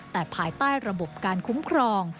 แต่ภายใต้ระบบการคุ้มครอง